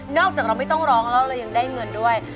จากเราไม่ต้องร้องแล้วเรายังได้เงินด้วย